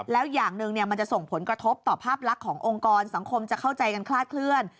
แล้วอย่างหนึ่งมันจะส่งผลกระทบต่อภาพลักษณ์ขององค์กรสังคมจะเข้าใจกันคลาดเคลื่อน